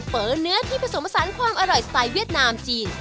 เนื้อที่ผสมผสานความอร่อยสไตล์เวียดนามจีน